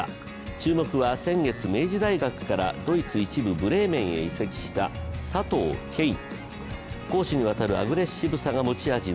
注目は先月、明治大学からドイツ１部ブレーメンへ移籍した移籍した佐藤恵允。